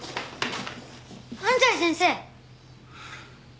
安西先生！